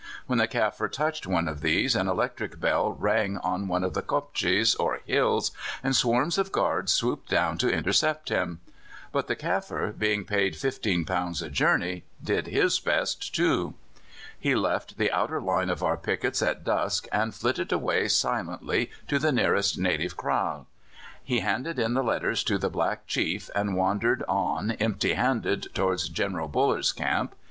When the Kaffir touched one of these an electric bell rang on one of the kopjes, or hills, and swarms of guards swooped down to intercept him. But the Kaffir, being paid £15 a journey, did his best too. He left the outer line of our pickets at dusk, and flitted away silently to the nearest native kraal; he handed in the letters to the black chief, and wandered on empty handed towards General Buller's camp.